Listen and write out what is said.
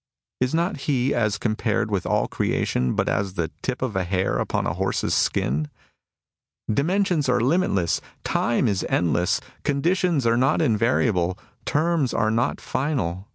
Is not he, as com pared with all creation, but as the tip of a hair upon a horse's skin ?'^ Dimensions are limitless ; time is endless. Conditions are not invariable; terms are not final.